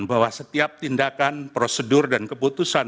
bahwa setiap tindakan prosedur dan keputusan